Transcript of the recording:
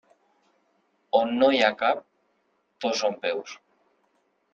On no hi ha cap, tot són peus.